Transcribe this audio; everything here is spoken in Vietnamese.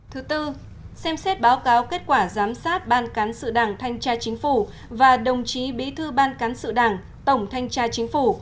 thứ tư xem xét báo cáo kết quả giám sát ban cán sự đảng thanh tra chính phủ và đồng chí bí thư ban cán sự đảng tổng thanh tra chính phủ